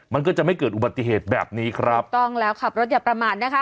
มันก็จะไม่เกิดอุบัติเหตุแบบนี้ครับถูกต้องแล้วขับรถอย่าประมาณนะคะ